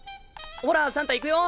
ほらサンタ行くよ。